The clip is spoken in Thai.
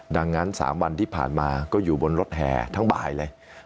ดังนั้น๓วันที่ผ่านมาก็อยู่บนรถแห่ทั้งบ่ายเลย